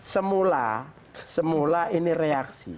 semula ini reaksi